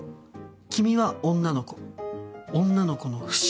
『君は女の子』『女の子のふしぎ』。